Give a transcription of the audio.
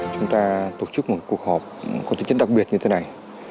chúng ta tổ chức một cuộc họp có tính chất đặc biệt như thế này